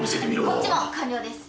こっちも完了です。